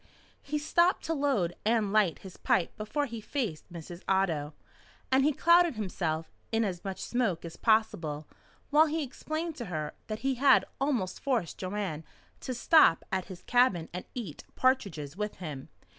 He stopped to load and light his pipe before he faced Mrs. Otto, and he clouded himself in as much smoke as possible while he explained to her that he had almost forced Joanne to stop at his cabin and eat partridges with him.